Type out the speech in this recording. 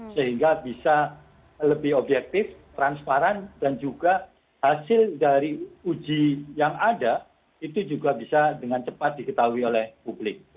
sehingga bisa lebih objektif transparan dan juga hasil dari uji yang ada itu juga bisa dengan cepat diketahui oleh publik